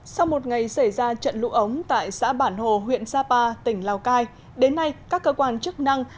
sau một ngày xảy ra trận lũ ống tại xã bản hồ huyện sapa tỉnh lào cai đến nay các cơ quan chức năng